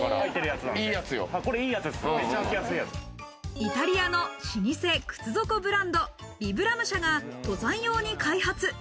イタリアの老舗靴底ブランド、ビブラム社が登山用に開発。